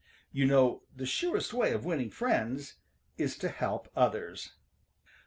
You know the surest way of winning friends is to help others.